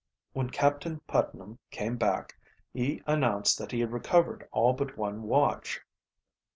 When Captain Putnam came back he announced that he had recovered all but one watch.